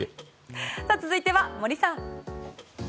続いては森さん。